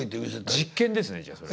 実験ですねじゃあそれ。